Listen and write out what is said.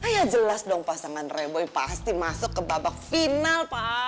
ya jelas dong pasangan reboy pasti masuk ke babak final